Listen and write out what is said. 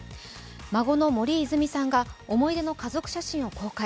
孫の森泉さんが思い出の家族写真を公開。